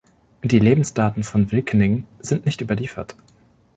Die Lebensdaten von Wilkening sind nicht überliefert.